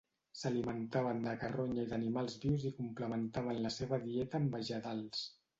S'alimentaven de carronya i d'animals vius i complementaven la seva dieta amb vegetals.